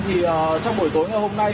trong buổi tối ngày hôm nay